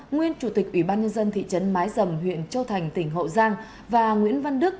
nguyên chủ tịch ủy ban nhân dân thị trấn mái dầm huyện châu thành tỉnh hậu giang và nguyễn văn đức